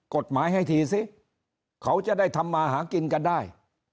กฎหมายให้ทีซิเขาจะได้ทำมาหากินกันได้